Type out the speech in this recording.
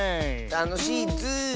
たのしいッズー。